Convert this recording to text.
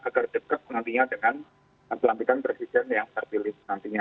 agar dekat nantinya dengan kelampikan presiden yang tertulis nantinya